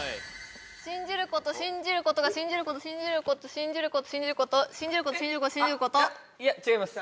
信じる事信じることがしんじること信じること信じること信じること信じる事信じること信じること違います